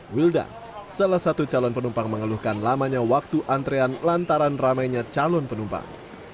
wildan salah satu calon penumpang mengeluhkan lamanya waktu antrean lantaran ramainya calon penumpang